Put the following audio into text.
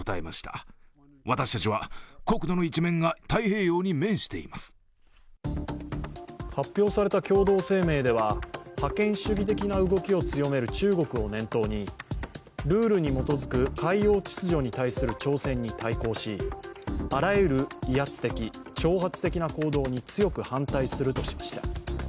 「ポリグリップ」発表された共同声明では覇権主義的な動きを強める中国を念頭にルールに基づく海洋秩序に対する挑戦に対抗しあらゆる威圧的、挑発的な行動に強く反対するとしました。